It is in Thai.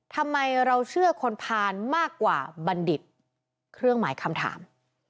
ทำไมเราเชื่อคนพานมากกว่าบัณฑิตเครื่องหมายคำถาม